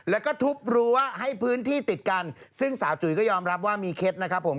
แล้วก็ทุบรั้วให้พื้นที่ติดกันซึ่งสาวจุ๋ยก็ยอมรับว่ามีเคล็ดนะครับผม